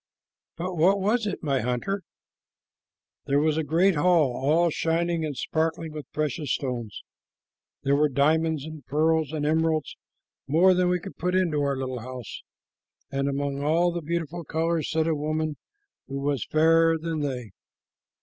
"But what was it, my hunter?" "There was a great hall, all shining and sparkling with precious stones. There were diamonds and pearls and emeralds, more than we could put into our little house, and among all the beautiful colors sat a woman who was fairer than they.